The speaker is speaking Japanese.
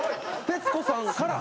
徹子さんから！？